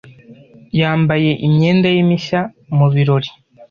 Yambaye imyenda ye mishya mu birori.